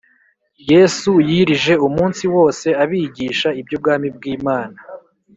Yesu yirije umunsi wose abigisha iby Ubwami bw Imana